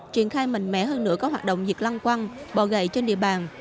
triển khai mạnh mẽ hơn nữa các hoạt động diệt loang quang bỏ gậy trên địa bàn